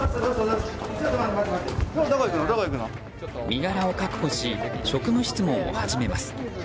身柄を確保し職務質問を始めます。